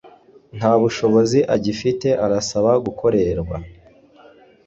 Nta bushobozi agifite arasaba gukorerwa